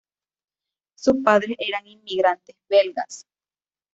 Sus padres eran inmigrantes belgas.